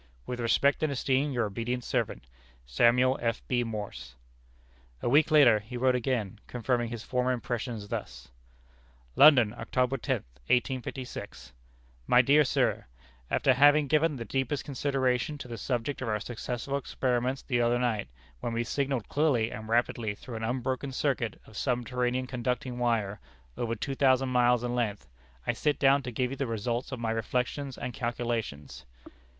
"With respect and esteem, your obedient servant, "Samuel F. B. Morse." A week later, he wrote again, confirming his former impressions, thus: "London, October 10, 1856. "My dear Sir: After having given the deepest consideration to the subject of our successful experiments the other night, when we signalled clearly and rapidly through an unbroken circuit of subterranean conducting wire, over two thousand miles in length, I sit down to give you the result of my reflections and calculations.